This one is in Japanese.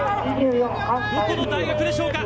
どこの大学でしょうか。